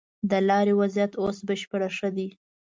د لارې وضيعت اوس بشپړ ښه دی.